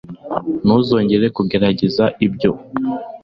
ntuzongere kugerageza ibyo